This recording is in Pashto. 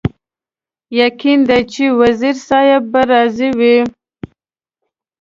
یقین دی چې وزیر صاحب به راضي وي.